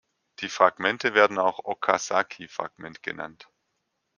Die Fragmente werden auch Okazaki-Fragment genannt.